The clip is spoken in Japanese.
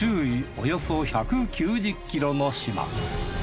およそ１９０ｋｍの島。